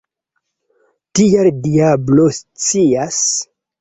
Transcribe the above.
Tial diablo scias!